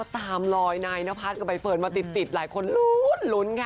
ตามลอยนายนพัฒน์กับใบเฟิร์นมาติดหลายคนลุ้นค่ะ